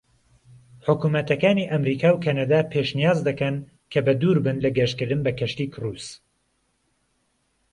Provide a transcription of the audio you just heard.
حکومەتەکانی ئەمەریکا و کەنەدا پێشنیاز دەکەن کە بە دووربن لە گەشتکردن بە کەشتی کروس.